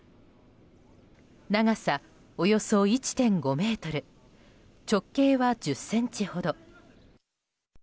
長さ、およそ１．５ｍ直径は１０ｃｍほど。